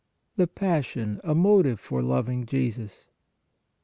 THE PASSION, A MOTIVE FOR LOVING JESUS.